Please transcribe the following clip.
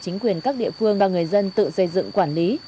chính quyền các địa phương và người dân tự xây dựng quản lý